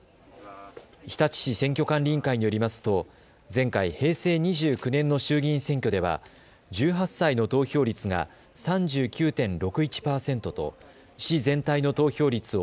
日立市選挙管理委員会によりますと前回、平成２９年の衆議院選挙では１８歳の投票率が３９．６１％と市全体の投票率を